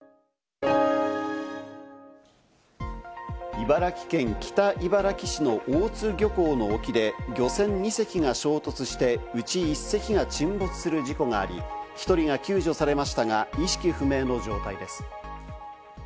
茨城県北茨城市の大津漁港の沖で、漁船２隻が衝突して、うち１隻が沈没する事故があり、１人が救助されましたが、意識不明の状態です。